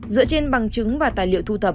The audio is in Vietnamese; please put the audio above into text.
dựa trên bằng chứng và tài liệu thu thập